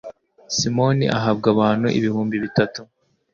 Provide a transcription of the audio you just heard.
simoni ahabwa abantu ibihumbi bitatu